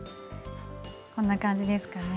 こんな感じですかね。